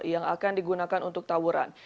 yang akan digunakan untuk tawuran